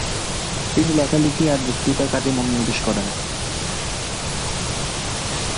তিনি লেখালিখি আর বক্তৃতার কাজে মনোনিবেশ করেন।